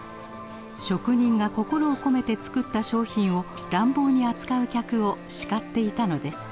職人が心を込めて作った商品を乱暴に扱う客を叱っていたのです。